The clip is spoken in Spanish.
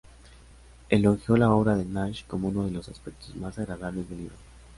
Elogió la obra de Nash como uno de los aspectos más agradables del libro.